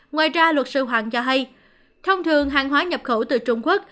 ngoài ra luật sư hoàng cho hay thông thường hàng hóa nhập khẩu từ trung quốc